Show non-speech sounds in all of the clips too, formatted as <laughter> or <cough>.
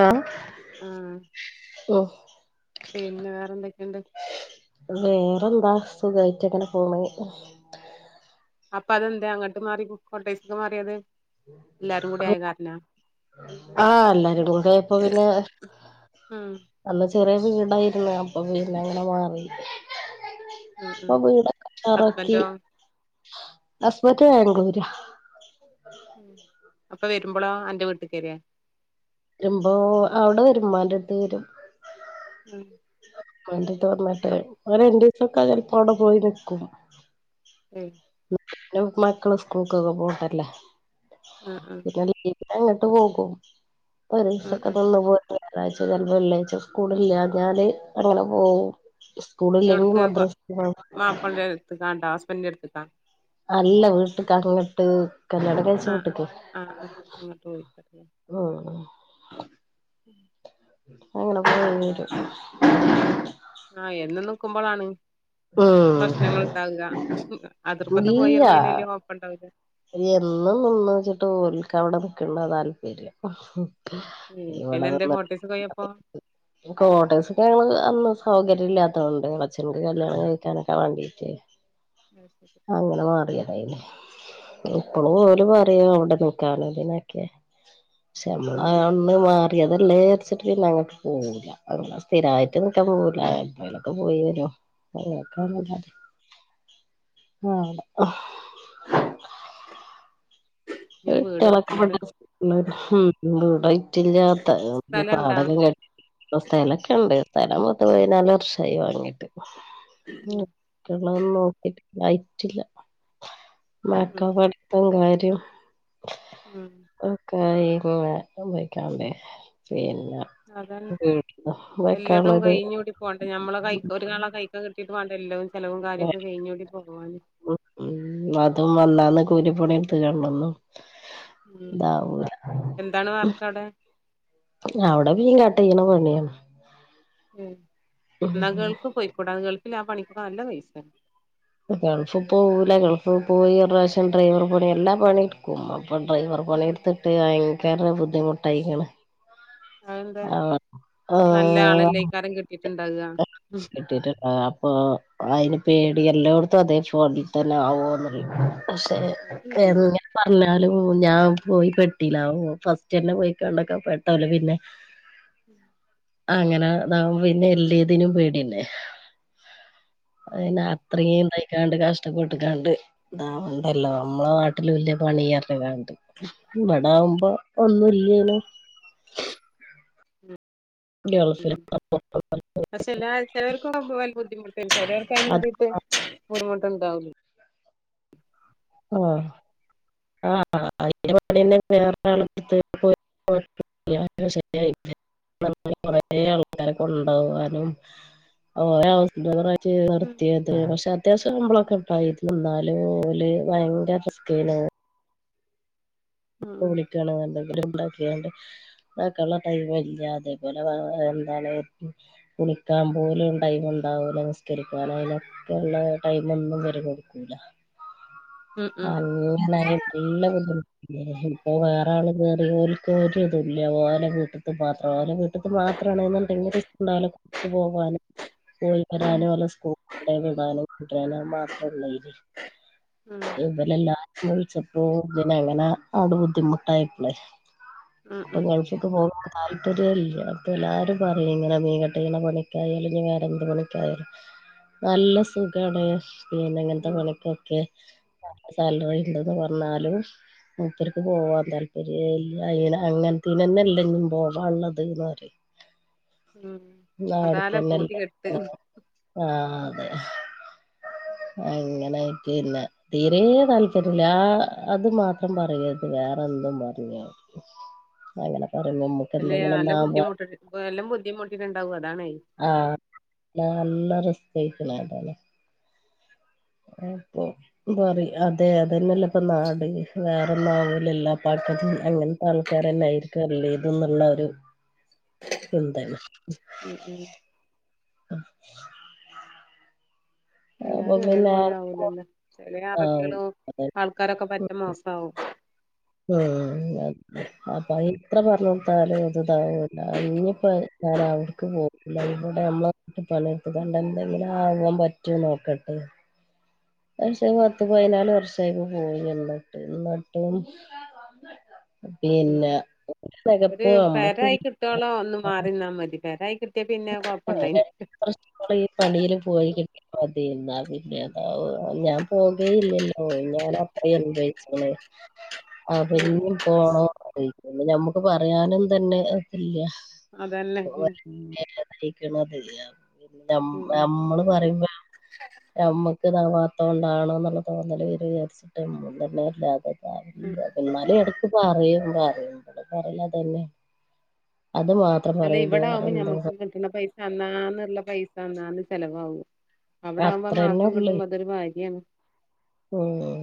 ആാ ആഹ് ഓ പിന്നെ വേറെന്തൊ <unintelligible> എന്താ സുഖയായിട്ട് അങ്ങനെ പോണു അപ്പൊ അതെന്താ അങ്ങോട്ട് മാറി കൊട്ടേയെസിന്ന് മാറിയെത് ല്ലാരുടെ ആയാകാരണ ആാ എല്ലരുടെ ആയാപ്പോ പിന്നെ ഉം അന്ന് ചെറിയ വീടായിരുന്നു അപ്പം പീന്നേ അങ്ങനെ മാറി ഉം ഉം അപ്പം ഹസ്ബൻഡോ <unintelligible> ഹസ്ബെൻ്റെ ബാംഗ്ലൂരാ ഉം <unintelligible> അപ്പം വെരുമ്പോളേ അന്റെ വീട്ടി കെറിയേ വെര്മ്പോ അവടെ ഒരുമാന്റെ എടത്ത് വെരും ഉം വന്നിട്ട് മറ്റേ എങ്ങനെയെണ്ട് <unintelligible> ചെലപ്പോ അവടെ പോയി നിക്കും അപ്പേ പിന്നെ മക്കള് സ്കൂൾക്കൊക്കെ പോവണ്ടല്ലേ ഉം <unintelligible> ഉം പിന്നെ അങ്ങോട്ട് പോകും ഒരു ഉം ദിവസത്തിനെക്ക് ഉം പോരു- ഞയാറാഴ്ച ചിലപ്പോ വെള്ളാഴ്ച സ്കൂളില്ല ഞാന് - ആരുടെ കൂടേ പോവും സ്കൂൾ ഇല്ലെങ്കിൽ എവിടുക്ക് മദ്രസക് പൊ - ഹസ്ബന്റ്റിന്റെ അടുത്തിക്കാ അല്ല വീട്ട്ക്ക് അങ്ങട്ട് കല്യാണം കഴിച്ച ആഹ് ആഹ് വീട്ട്ക്കെ ആഹ് ആഹ് അങ്ങോട്ട് പോയിക്കാരല്ലേ ഉം അങ്ങനെ <unintelligible> ആ യെന്നും നിക്കുമ്പളാണ് ഉം പ്രശ്നങ്ങൾ ഇണ്ടാവുക. അതിർപ്പത്ത് ഇല്ല പോയിവറുമ്പപിന്നെ വല്യ കൊയപ്പെണ്ടാവൂല എന്നും നിന്നുച്ചിട്ട് ഓൽക്ക് അവിടെ നിക്കണതാ താല്പര്യം. ഉം ഇവിടെ പിന്നെ എന്തേ നിന്നിട്ട് കോട്ടേഴ്സ് പോയപ്പോ <unintelligible> കോട്ടേഴ്സിക്ക് ഞങ്ങൾ അന്ന് സൗക ര്യില്ലാത്തോണ്ട് ച്ചെൻക്ക് കല്യാണം ആഹ് കഴിക്കാനൊക്കെ വേണ്ടി <unintelligible> അങ്ങനെ മാറിയ <unintelligible> ഇപ്പളും ഓല് പറയും അവിടെ നിക്കാനും അതിനൊക്കെ ക്ഷെമ്മ ഉം ഉം അന്ന് മാർ യദല്ലേ വച്ചിട്ട് പിന്നങ്ങട്ട് പോവൂല അങ്ങനെ ഉം സ്ഥിരായിട്ട് ഉം നിക്കാൻ പോവൂല ആഴ് <unintelligible> പോയി വരോ ഉം ഉം <unintelligible> ആഹ് <unintelligible> ഇനിയൊരു വീട് വെക്കണത് റൈറ്റ് റ്റില്ലാത്ത സ്ഥലണ്ടാ പാടകം കേട് സ്ഥലൊക്കെണ്ട് സ്ഥലം പത്തുപതിനാല് വർഷായി വാങ്ങിട്ട് ഉം മറ്റുള്ളതോന്നും നോക്കി- ആയിറ്റില്ല മക്കളെ ഉം പട്തും കാര്യ റ്റും ഉം ഒക്കായി <unintelligible> പിൻ അതന്നെ വല്ലതും വെക്കാള്ളത് കഴിഞ്ഞൂടി പോണ്ടെ ഞമ്മളെ കൈ ഒര് നാളെ കൈകകിട് ട്ട് വാണ്ടല്ലോ ചെലവും കാര്യൊക്കെ കഴിഞ്ഞൂടി പോവാന് കൂലിപ്പണിട്ത്ത് കാണ്ടൊന്നും ഉം ഇതാവൂല എന്താണ് വർക്കവിടെ ഞ് അവടെ മീകട്ടെയ്ണ പോലെ ന്യേ മ് ന്നാ ഗൾക്ക് പോയിക്കൂടെ ഗൾ ആ പണിക്ക് നല്ല പൈസ്യേ ഗൾഫിൽ പോവൂല ഗൾഫ്പോയി ഒരുറാശ്യം ഡ്രൈവർ പണി എല്ലാം പണിട്ക്കും അപ്പം ഡ്രൈവർ ഉം പണിട്ത്ത്ട്ട് ആ കര ബുദ്ധിമുട്ടായിക്ണ് അതന്താ നല്ല ആളല്ലേക്കാരം കിട്ടിക് ചണ്ടാക കിട്ടിട്ട്ണ്ടാക അപ്പൊ അയ്ന് പേടി എല്ലോട്ത്തും അതെ ഫോൺ തന്നെ ആവോ പക്ഷെ ക്കെ അതൊന്നുല്ല ങ്ങെ പർഞ് ന്നാലും ഞാൻ പോയി പെട്ടില ഫസ്റ്റന്നെ പോയികാണ്ടൊക്കെ പെട്ടാല് പിന്നെ ഉം അങ്ങനെതാവും പിന്നെ എല്ലെതിനും പേ പിന്നെ ഉം അയ്ന് അത്രേം ട്ടാണ്ട് കഷ്ടപ്പെട്ട്കാണ്ട് പാവഹ് അല്ലോ നമ്മളെ ഉം നാട്ടിലുല്ലെ പണി അർ തെരാണ്ട് ഇവിടാവുമ്പ ഒന്നുല്ലേനു ഉം പക്ഷെഎല്ലാ ചെലർക്കു പോവാൻ ബുദ്ധിമുട്ടും ചെലോർക്ക് അയിനു അത് വേണ്ടിട്ട് ബുർ ഇപ്പ ഇണ്ടാവുലെ ആ ആ അയിന്റെ പണിയെന്നെ വേറെരാള് <unintelligible> ശെരിയായിട്ടില്ല. കൊറെ ആൾക്കാരെ കൊണ്ടോവാനും അത് പോലെ ഹൗസ് ഡ്രൈവറായി <unintelligible> ഉം ത്തിയത് പക്ഷെ അത് അത്യാവശ്യം ശമ്പളൊക്കെ ഇണ്ടായിര്ന്നു, ഇന്നാലു ഓല് വയെങ്കര റിസ്ക്കെനു അപ്പ ഉം വിളിക്കാണ് ന്ന്ണ്ടെങ്കിൽ <unintelligible> ടൈം ല്ല അതേപോലെ എന്താണ് കുളിക്കാൻ പോവലും ടൈം ണ്ടാവൂല നിസ്കരിക്കാനായാലും ക്കെള്ളെ ടൈമൊന്നും ഇവര് കൊടുക്കൂല ഉം ഉം <unintelligible> ഇപ്പോ വേറാള് കേറി ഓൽക്ക് ഒരുതുല്ല ഓലെ വീട്ട്ക്ക് മാത്രം ഓലെ വീട്ട്ക്ക് മാത്രാണ്ന്ന്ണ്ടെങ്കില് <unintelligible> പോകാനും പോയി വരാനും ഓലെ സ്കൂള് വിടാനും <unintelligible> ഉം എല്ലാരും വിളിച്ചപ്പോ അങ്ങനെ അവടെ ബുദ്ധിമുട്ടായപ്പ്ളെ ഉം ഇപ്പൊ ഉം ഗൾഫ്ക്ക് <unintelligible> താല്പര്യല്ല അപ്പൊ എല്ലാരും പറയും ങ്ങനെ മീൻ കട്ടെയ്യ്ണെ പണിക്കായാലും വേറെന്ത് പണിക്കായാലും നല്ല സുഖാണ് പിന്നെ ങ്ങൻത്തെ ഉം പണിക്കൊക്കെ <unintelligible> സാലറി ണ്ട്ന്ന് പറഞ്ഞാലും മുപ്പർക്ക് പോവാൻ താല്പര്യേല്ല അയ്ന് അങ്ങൻത്തേനന്നല്ലെ ഞ്ഞും പോവാള്ളത് പറയും ഉം ന്ന അതാലെ പൂതി അവ്ട്ക്കെന്നല്ലേ കെട്ട് ആഹ് അ അങ്ങനായിറ്റ് പിന്നെ തീരെ താല്പര്യല്ല ആ അത് മാ ത്തം പറയര്ത് വേറെന്തും പർഞ്ഞോ അങ്ങനെ പറയുമ്പോ നമുക്ക് അല്ലേ എന്തെങ്കിലും നല്ല ഒന്നാവുമ്പോ ബുദ്ധിമുട്ട് നല്ലോം ബുദ്ധിമുട്ടിട്ടുണ്ടാവും അത് ആ ന്ന നല്ല റിസ് പെയ്ക്ക്ണ് ആണ്ടെന്നെ അപ്പൊ പറയും അതെ അതെന്നെല്ലെ പ്പൊ നാട് വേറൊന്നാവൂലല്ലോ <unintelligible> അങ്ങൻത്തെ ആൾക്കാരെന്നെ ആയിരിക്കും എല്ലേതുംന്ന്ള്ളൊരു ചിന്തെണ് ഉം ഉം അപ്പൊ എല്ലാരും പിന്നെ ഒരേപോലെ ആവും ആവൂലല്ലോ ചെലെ അറബികളും അതെ ആൾക്കാരൊക്കെ പറ്റെ മോസാവും. ഉം അ അപ്പൊ ഇത്ര പറഞ്ഞൊടുത്താലും അതുതാവൂല്ല ഇനിയിപ്പോ ഞാൻ ആവടക്ക് പോവില്ല ഇവിടെ നിന്നിട്ട് പണിയെടുത്തുകാണ്ട് എന്തെങ്കിലും ആകാൻ പറ്റോ നോക്കട്ടെന്ന് പക്ഷെ പത്ത് പതിനാല് വർഷായി ഇപ്പോ പോയി വന്നിട്ട് എന്നിട്ടും ഉം പിന്നെ ഒരു നെകപ്പ് പെരായി നമ്മക്കില്ല കിട്ടോളം ഒന്ന് മാറി നിന്നാ മതി പെരായി കിട്ട് <unintelligible> ഈ പണിയില് പോയി കിട്ടി മതി ഇന്നാ പിന്നെ അതാവും ഞാൻ പോകേയില്ലല്ലോ ഞാൻ അത്ര അനുഭവിച്ച്ക്കണ്. ആഹ് ഉം പിന്നായും പോണോന്ന് <unintelligible> അന്ന് ഞമ്മക്ക് പറയാനും തന്നെ ഇല്ല അതന്നേ ഉം <unintelligible> ക്കണത് <unintelligible> ഞമ് ഉം ഞമ്മള് പറയുമ്പ ഞമ്മക്ക് റ്റത് ആവാത്ത കൊണ്ടാണോന്നുള്ള തോന്നല് വെരും വിചാരിച്ചിട്ട് മുണ്ടുന്നേയില്ലത്. ഉം ആഹ് ഇന്നാലെ എടു പറയും പറയും ഇവടെ പറയുന്നെ അതെന്നെയാ അത് മാത്രം പറയരുത് വേറെന്ത് ക്കണ പൈസ അന്നാന്നുള്ള പൈസ അന്നാന്ന് ചെലവാകും. അത്ര തന്നെ ഉള്ളേ. ഉം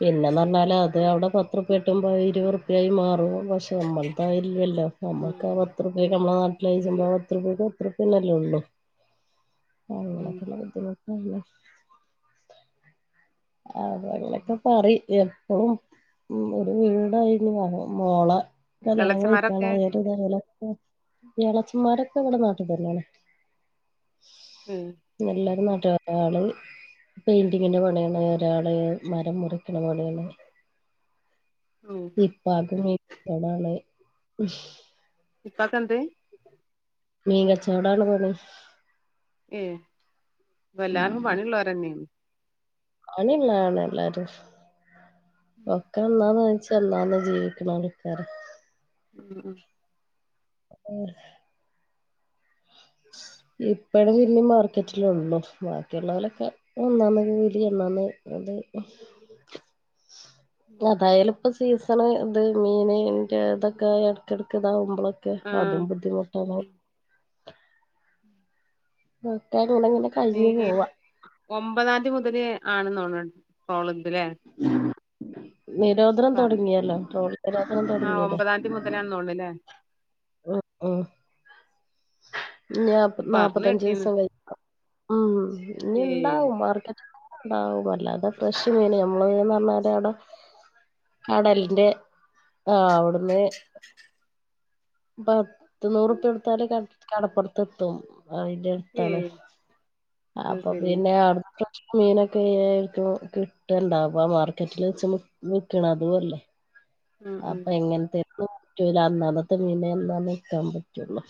പിന്നെന്ന് പറഞ്ഞാല് അത് അവിടെ പത്ര കിട്ടുമ്പോ ഇരുവർപ്പ്യായി മാറുമ്പം പക്ഷെ നമ്മൾത് അയ്ല്ലല്ലോ ഉം നമ്മക്ക് ആ പത്തുർ പിയെക്ക് നമ്മളെ നാട്ടില് <unintelligible> അതന്നെ സംഭവം പത്തുർപ്യെക്ക് ഇതൊക്കെന്നെലൊള്ളൂ. ഉം അങ്ങനെക്കെന്നെ <unintelligible> മ് അത് അങ്ങനെക്കെ പറിയിം എപ്പളും ഉം ഒരു വീടായി. മോള മോളെ കല്യാണം കഴിക്കണ എളച്ചന്മാരൊക്കെ <unintelligible> മ് ഇളച്ചെൻമാരൊക്കെ ഇവിടെ നാട്ടിൽ തന്നെയാണ്. ഉം എല്ലാരും നാട് ട്ട് ഒരാള് പെയിന്റിങ്ങിന്റെ പണിയാണ് ഒരാള് മരം മുറിക്കണ പണിയാണ് ഉം ഇപ്പാക്ക് മിൻ ച്ചൊടാണ് ഇപ്പക്കെന്ത് മീൻ കച്ചോടാണ് പണി ഏ ഇപ്പ എല്ലാര്ക്കും പണിയുള്ളോരന്നെ പണിയൊള്ളോരാണ് എല്ലാരും ഒക്കെ എന്താന്ന് ച്ചന്നാന്നു ജീവിക്ക്ണോണ്ടക്കാരം ഉം ഇപ്പഴും പിന്നെ മാർക്കറ്റിലൊള്ളു ബാക്കിയുള്ളോലക്കെ അന്നന്ന് വീടി അന്നന്ന് അത് അതായാലപ്പ സീസണ് ഇത് മീനിൻ്റെ തൊക്കെ എട്ക്കടക്ക് ഇതാവുമ്പോ ളൊക്കെ ആഹ് അതും ബുദ്ധിമുട്ടാണ് ണ്ടോണങ്ങനെ കഴിഞ്ഞ് പോവാ ഒമ്പതാന്തി മുതല് ആണ്ന്നോണ് ട്രോള അല്ലെ <unintelligible> നിരോധനം തുടങ്ങിയല്ലോ ട്രോൾ നിരോധനം ആഹ് തുടങ്ങിയല്ലേ ഒമ്പതാംതി മുതലാന്ന് തോന്നണല്ലേ ഉം ഉം ഇനി പറഞ്ഞ് നാല്പ്പത്തഞ്ചു കേട്ടീന്ന് ദിവസം കഴിഞ്ഞു ഉം ഇനി ഏയ് ഉണ്ടാവും മാർക്കറ്റ് ഉണ്ടാവുമല്ലാ അതെ ഫ്രഷ് മീൻ നമ്മള്ന്ന് പറഞ്ഞാല് അവിടെ കടലിന്റെ ആ അവിടുന്ന് പത്ത് നൂറുപ്പിയ എടുത്താല് കടപ്പുറത്ത് എത്തും. ആ ഇന്റെ അടുത്താണ് ഏയ് അത് അപ്പൊ ശരി പിന്നെ അടുത്ത മീനൊക്കെ ആയിരിക്കും കിട്ടണ്ടാവ്ക മാർക്കറ്റിൽ <unintelligible> നിക്കണം അതുവല്ല ഉം ഉം അപ്പൊ എങ്ങനെത <unintelligible> <unintelligible> മീന എന്നാ നിൽക്കാൻ പറ്റുള്ളു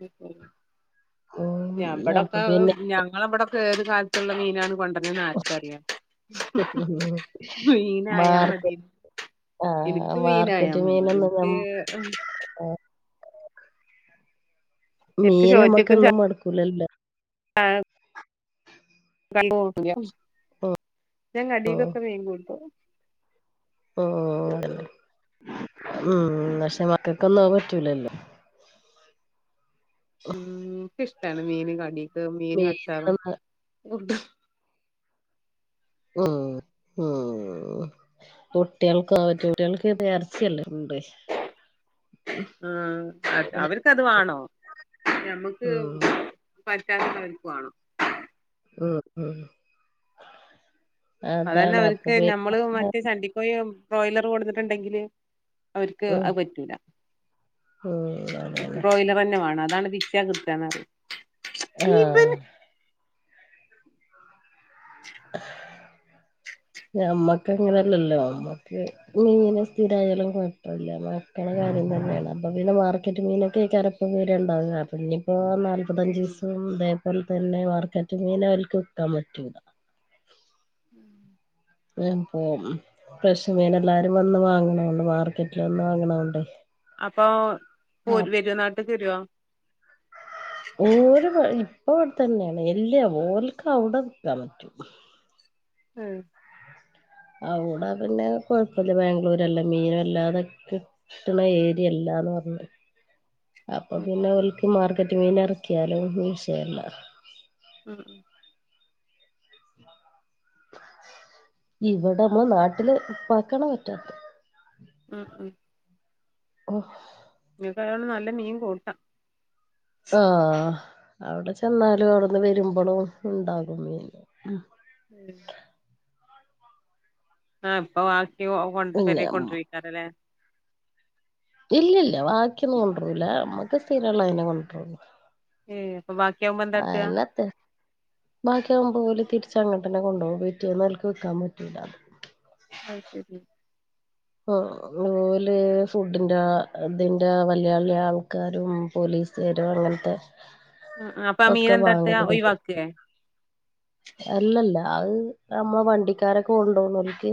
ഉം ഉം ഉം അപ്പൊ ഇവിടെക്കെ പിന്നെ ഞങ്ങളവിടെ ഏത് കാലത്തുള്ള മീനാണ് കൊണ്ട പറ നാത്തറിയാം മീനായാ മതി മാർക്കറ്റ് ആ എനിക്ക് മീനായാ മാർക്കറ്റ് മതി എനിക്ക് മീനൊന്നും മീൻ നമ്മക്ക്ന്നും മടക്കൂലല്ലോ ആഹ ട്ട ഞങ്ങ അടിഗ സമയ എംഗ ബടുട്ട ഉല്ലെ ഉം പക്ഷെ മക്കക്ക ഒന്നും ആൻ പറ്റൂലല്ലോ ഉം ഇഷ്ടാണ് മീൻ കടക്ക് മീന് വച്ചാറും ഉ ഉ കുട്ടികൾക്ക പറ്റിയ കുട്ടികൾക്ക് ഇത് ഇറച്ചിയല്ലേ ഉണ്ട് ആഹ് അവർക്കത് വാണോ ഉ ചവക്ക്വാണോ ഉം ഉ അത തന്നെ അവർക്ക് നഞമ്മള് മറ്റേ സണ്ടിക്കയി ബ്രോയിലറ് കൊടുത്തിട്ടുണ്ടെങ്കില് അവർക്ക് ഉം അത് പറ്റൂല ഉം അതന്നെ ബ്രോലർ അന്നമാണ് അതാണ് രക്ഷകത്താണ് ആഹ ഞ അമ്മക്ക അങ്ങനെയല്ലല്ലോ അമ്മ മീന സ്ഥിരമായാലും കുഴപ്പമില്ല മക്കുടെ കാര്യം തന്നെയാണ് അപ്പം പിന്നെ മാർക്കറ്റ് മീനൊക്കെ ആക്കാറപ്പം വേരെ ഉണ്ടാവില്ല പിന്ന നാല്പത്തഞ്ച് ഉം ദിവസം അതുപോലെ തന്നെ മാർക്കറ്റ് മീന അവർക്ക് വെക്കാൻ പറ്റൂില്ല ഉം പ്പൊ പ്രശമീന എല്ലാരും വന്ന് വാങ്ങണണ്ട് മാർക്കറ്റിൽ വന്ന് വാങ്ങണണ്ട്േ അപ്പോ പോ വെരനാട്ട തരുവാ ഓര ഇപ്പ അവിടെ തന്നെയാണ് എല്ല ഓർക്ക അവിടെ നിൽക്കാൻ പറ്റും ഉം അവിടെ പിന്നെ കൊഴപ്പില്ല ബാംഗ്ലൂരല്ല മീനും അല്ലാതൊക്കെ കിട്ടണ ഏരിയ അല്ലാന്ന് പറഞ്ഞഞ് അപ്പൊ ഉം പിന്നെ ഒളക്ക് മാർ <unintelligible> മീൻ ഇറക്കിയാലൊ മീൻ <unintelligible> ഉം ഉ ഇവിടെമ്മ നാട്ടില് വാക്കണ പറ്റാ ആഹ ഉഹ ഓഹ നിനക്ക് അതോണ്ട് നല്ല മീൻ കൂട്ടാം ആ ആ അവിടെ ചെന്നാലും അവിടെന്ന് വരുമ്പോഴും ഉണ്ടാകും മീന് ഉം ആ ഇപ്പ കൊണ്ട് പൊര പിന്നെ കൊണ്ടിക്കാറല്ലേ ഇല്ലല്ല ബാക്കിയൊന്നും കൊണ്ടൂരൂല നമുക്ക് സ്ഥരള്ള അതിനെ കൊണ്ടുവരുള്ളൂ ഏ അപ്പൊ ബാക്കിയാകുമ്പോ എന്താട്ട ബാക്കിയാകുമ്പോല് തിരിച്ചങ്ങട്ടന്നെ കൊണ്ടോവും പിറ്റ്യേന്നോൽക്ക് വ്ക്കാൻ പറ്റൂല അത് ശരി ഉം ഓല് ഫുഡിന്റെ ഇതിന്റെ വല്യ വല്യ ആൾക്കാരും പോലീസേരും അങ്ങൻത്തെ ഉം അപ്പൊ ആ മീനെന്താട്ട ഒഴിവാക്കെ അല്ലല്ല അത് നമ്മൾ വണ്ടിക്കാരൊക്കെ കൊണ്ടോന്നോൽക്ക്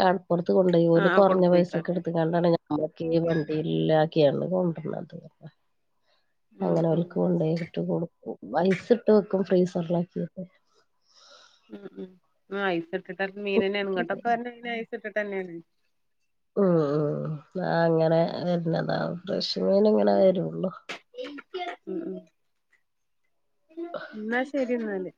കാൺ പൊർത് കൊണ്ടോയി ആഹ് ഓല് ആഹ് കൊർഞ്ഞ പൈസക്ക് കൊടുക്കുവെയ്ക്കാരല്ലേ എടുത്കാണ്ടാണ് ഞ നമ്മക്ക്ഞ് വണ്ടില് ല്ലാക്ക്യാണ്ട് കൊണ്ടാര്ണത് ഉം അങ്ങനെ ഉം ഓൽക്ക് കൊണ്ടോയി കിറ്റ്ക്കോളും ഐസ്സിട്ട് വെക്കും ഫ്രീസർല് ഉം ഉം ആ ഐസ്സിട് ട്ട മീനന്നെ ഇങ്ങട്ടൊക്കെ വര്നെ ഐസ്ട്ട് ട്ട് തന്ന്യാണ് ഉം ഉം ആ അങ്ങനെ വര്നതാവും പ്രശ് ങ്ങനെ ഇങ്ങനെ വരുള്ളോ ഉം ഉം ന്നാ ശരി ന്നാല്